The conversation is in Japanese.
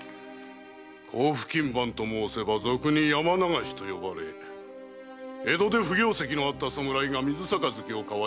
甲府勤番ともうせば俗に“山流し”と呼ばれ江戸で不行跡のあった侍が水杯を交わし追われるそうだの。